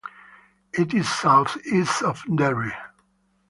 It is south east of Derby.